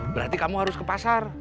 berarti kamu harus ke pasar